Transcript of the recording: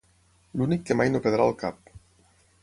L'únic que mai no perdrà el cap.